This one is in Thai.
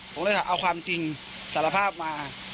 ผมเลยเอาความจริงสารภาพมา